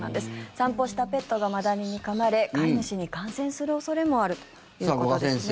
散歩したペットがマダニにかまれ飼い主に感染する恐れもあるということですね。